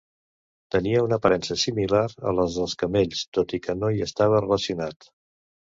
Tenia una aparença similar a la dels camells, tot i que no hi estava relacionat.